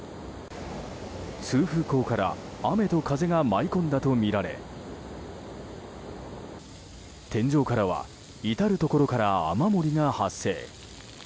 通風孔から雨と風が舞い込んだとみられ天井からは、至るところから雨漏りが発生。